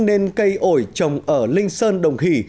nên cây ổi trồng ở linh sơn đồng hỷ